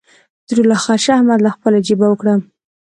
ټوله خرچه احمد له خپلې جېبه وکړه.